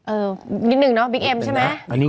นิดนึงเนาะบิ๊กเอ็มใช่ไหม